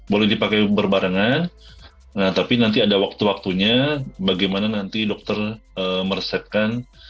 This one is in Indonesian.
boleh dipakai berbarengan nah tapi nanti ada waktu waktunya bagaimana nanti dokter meresepkan